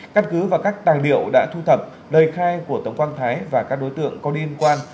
căn cứ và các tài liệu đã thu thập lời khai của tống quang thái và các đối tượng có liên quan